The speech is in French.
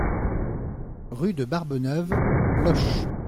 Rue de Barbeneuve, Loches